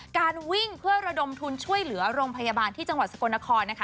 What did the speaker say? การวิ่งเพื่อระดมทุนช่วยเหลือโรงพยาบาลที่จังหวัดสกลนครนะคะ